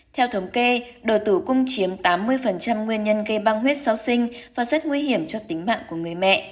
theo thống kê đờ tử cung chiếm tám mươi nguyên nhân gây băng huyết sau sinh và rất nguy hiểm cho tính mạng của người mẹ